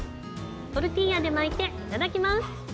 トルティーヤで巻いていただきます。